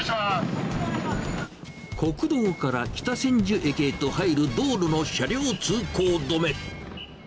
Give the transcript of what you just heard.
国道から北千住駅へと入る道路の車両通行止め。